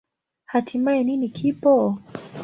Hatimaye, nini kipo?